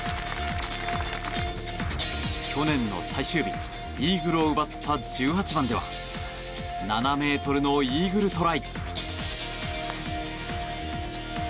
去年の最終日イーグルを奪った１８番では７ｍのイーグルトライ。